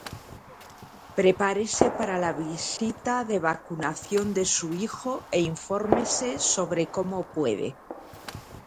Prepárese para la visita de vacunación de su hijo e infórmese sobre cómo puede: